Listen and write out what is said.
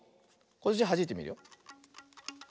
こっちはじいてみるよ。